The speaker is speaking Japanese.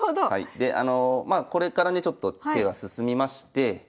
でまあこれからねちょっと手が進みまして。